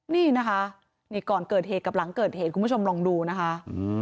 นี่นะคะนี่ก่อนเกิดเหตุกับหลังเกิดเหตุคุณผู้ชมลองดูนะคะ